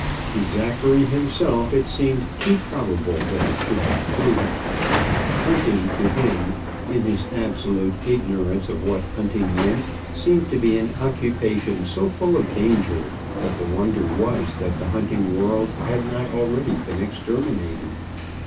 To Zachary himself it seemed too probable that it should be true. Hunting to him, in his absolute ignorance of what hunting meant, seemed to be an occupation so full of danger that the wonder was that the hunting world had not already been exterminated.